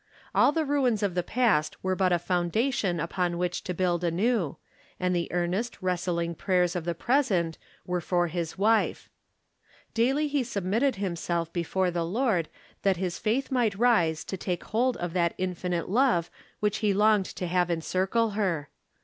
All the ruins of the past were but a founda tion upon which to build anew, and the earnest, wrestling prayers of the present were for his wife. Daily he humbled himself before the Lord that his faith might rise to take hold of that infi nite love which he longed to have encircle her.